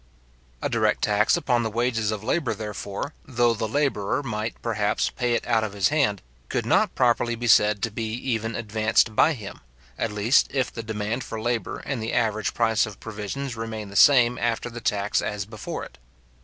A direct tax upon the wages of labour, therefore, though the labourer might, perhaps, pay it out of his hand, could not properly be said to be even advanced by him; at least if the demand for labour and the average price of provisions remained the same after the tax as before it.